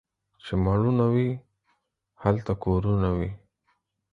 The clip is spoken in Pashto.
چي مړونه وي ، هلته کورونه وي.